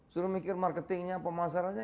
suruh mikir marketingnya pemasarannya